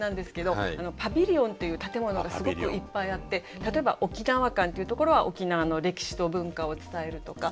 パビリオンという建物がすごくいっぱいあって例えば沖縄館というところは沖縄の歴史と文化を伝えるとか。